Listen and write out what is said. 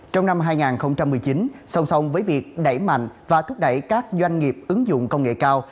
trong năm hai nghìn một mươi chín song song với việc đẩy mạnh và thúc đẩy các doanh nghiệp ứng dụng công nghệ cao